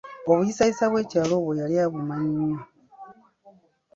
Obuyisayisa obwekyalo obwo yali abumanyi nnyo.